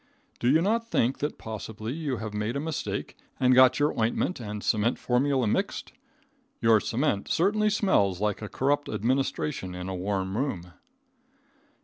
Do you not think that possibly you have made a mistake and got your ointment and cement formula mixed? Your cement certainly smells like a corrupt administration in a warm room.